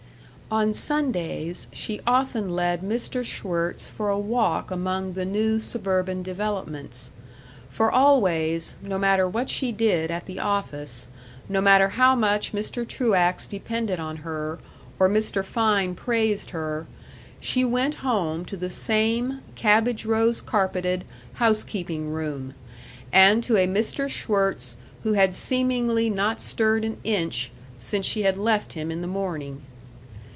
On Sundays she often led Mr. Schwirtz for a walk among the new suburban developments.... For always, no matter what she did at the office, no matter how much Mr. Truax depended on her or Mr. Fein praised her, she went home to the same cabbage rose carpeted housekeeping room, and to a Mr. Schwirtz who had seemingly not stirred an inch since she had left him in the morning....